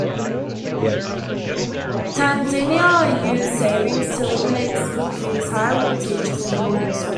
Tanzania used savings to eliminate school fees, hire more teachers, and build more schools.